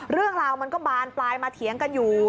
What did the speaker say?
เรื่องราวมันก็บานปลายมาเถียงกันอยู่